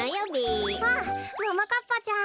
あっももかっぱちゃん。